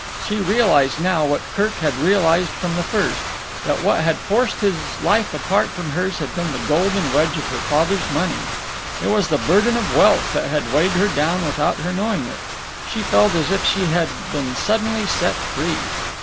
She realized now what Kirk had realized from the first, that what had forced his life apart from hers had been the golden wedge of her father's money. It was the burden of wealth that had weighed her down without her knowing it. She felt as if she had been suddenly set free.